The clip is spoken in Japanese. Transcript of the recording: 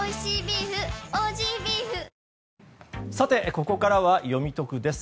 ここからはよみトクです。